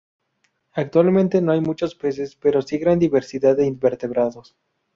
Actualmente no hay muchos peces, pero sí gran diversidad de invertebrados.